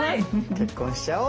結婚しちゃおう。